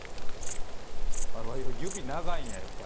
指長いんややっぱり。